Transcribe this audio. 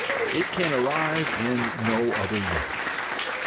It can arrive in no other way.